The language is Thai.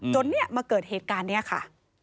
เนี่ยมาเกิดเหตุการณ์นี้ค่ะ